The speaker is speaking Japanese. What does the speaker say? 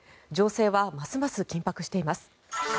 情勢はますます緊迫しています。